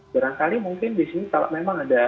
barangkali mungkin di sini kalau memang ada